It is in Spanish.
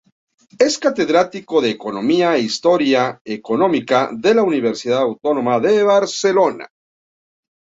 Es catedrático de Economía e Historia Económica de la Universidad Autónoma de Barcelona.